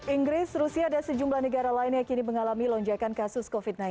inggris rusia dan sejumlah negara lain yang kini mengalami lonjakan kasus covid sembilan belas